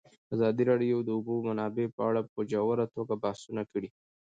ازادي راډیو د د اوبو منابع په اړه په ژوره توګه بحثونه کړي.